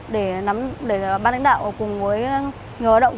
để ban đảng đạo cùng với người lao động